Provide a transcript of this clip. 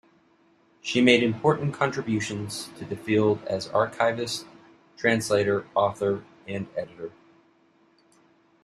She made important contributions to the field as archivist, translator, author and editor.